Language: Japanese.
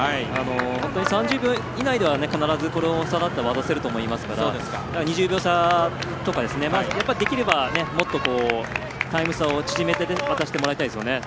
本当に３０秒以内でこの差だったら渡せると思いますから２０秒差とかできれば、もっとタイム差を縮めて渡してもらいたいですね。